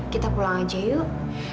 kita pulang aja yuk